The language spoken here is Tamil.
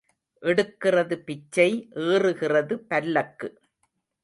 எடுக்கிறது பிச்சை ஏறுகிறது பல்லக்கு.